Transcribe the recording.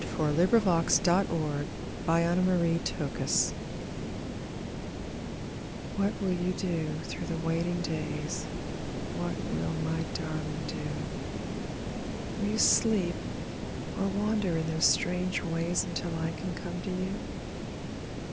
THE SAD YEARS ON THE OTHER SIDE WHAT will you do through the waiting days, What will my darling do? Will you sleep, or wander in those strange ways Until I can come to you?